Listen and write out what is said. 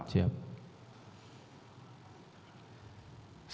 ya saudara tembak siap